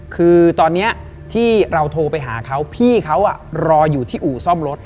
คือตอนนี้ที่เราโทรไปหาเขาพี่เขารออยู่ที่อู่ซ่อมรถ